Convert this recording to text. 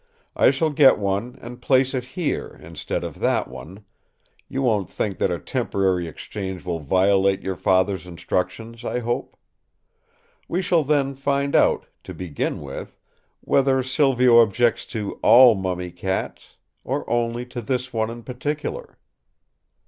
I shall get one and place it here instead of that one—you won't think that a temporary exchange will violate your Father's instructions, I hope. We shall then find out, to begin with, whether Silvio objects to all mummy cats, or only to this one in particular."